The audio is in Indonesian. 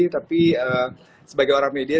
tapi sebagai orang media